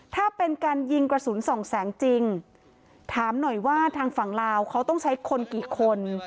ถ้าเป็นการยิงกระสุนสองแสงจริงถามหน่อยว่าทางฝั่งลาวเขาต้องใช้คนกี่คน